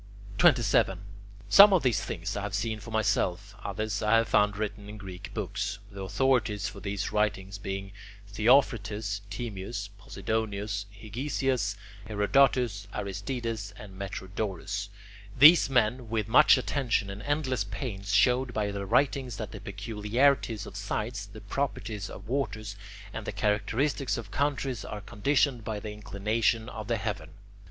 27. Some of these things I have seen for myself, others I have found written in Greek books, the authorities for these writings being Theophrastus, Timaeus, Posidonius, Hegesias, Herodotus, Aristides, and Metrodorus. These men with much attention and endless pains showed by their writings that the peculiarities of sites, the properties of waters, and the characteristics of countries are conditioned by the inclination of the heaven.